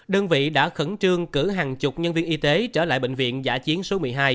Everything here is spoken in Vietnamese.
đơn vị đã khẩn trương cử hàng chục nhân viên y tế trở lại bệnh viện giả chiến số một mươi hai